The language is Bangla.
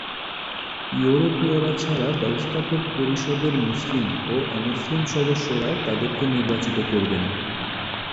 ইউরোপীয়রা ছাড়া ব্যবস্থাপক পরিষদের মুসলিম ও অমুসলিম সদস্যরা তাদেরকে নির্বাচিত করবেন।